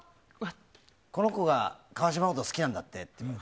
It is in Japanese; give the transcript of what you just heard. この子が川島のこと好きなんだってって。